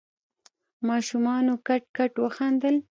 ماشومانو کټ کټ وخندل.